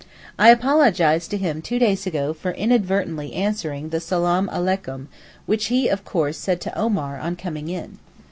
I apologized to him two days ago for inadvertently answering the Salaam aleykoum, which he, of course, said to Omar on coming in.